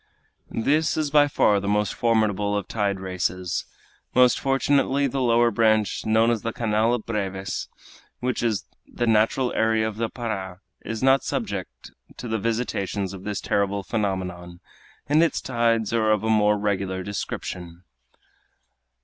This is by far the most formidable of tide races. Most fortunately the lower branch, known as the Canal of Breves, which is the natural area of the Para, is not subject to the visitations of this terrible phenomenon, and its tides are of a more regular description.